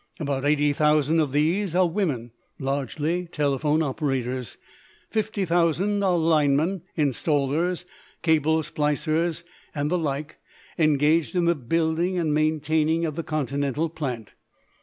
About 80,000 of these are women, largely telephone operators; 50,000 are linemen, installers, cable splicers, and the like, engaged in the building and maintaining of the continental plant.